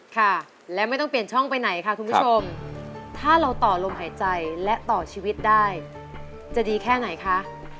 ค่ะและไม่ต้องเปลี่ยนช่องไปไหนค่ะคุณผู้ชมถ้าเราต่อลมหายใจและต่อชีวิตได้จะดีแค่ไหนคะ